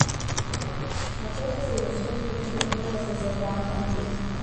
Акырӡа ирацәоуп ирыдыркылаз азакәанқәа.